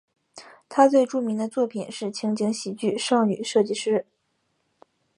他最著名的作品是情景喜剧少女设计师。